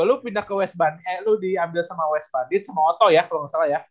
lu pindah ke west band eh lu diambil sama west bandit sama oto ya kalau nggak salah ya